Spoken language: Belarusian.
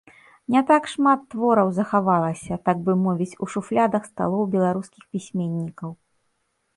Не так шмат твораў захавалася, так бы мовіць, у шуфлядах сталоў беларускіх пісьменнікаў.